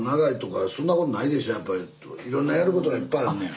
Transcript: いろんなやることがいっぱいあるのや。